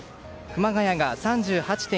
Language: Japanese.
熊谷が３８．９度。